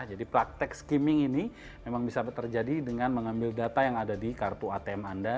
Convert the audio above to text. jadi praktek skimming ini memang bisa terjadi dengan mengambil data yang ada di kartu atm anda